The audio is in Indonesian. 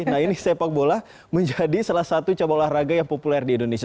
nah ini sepak bola menjadi salah satu cabang olahraga yang populer di indonesia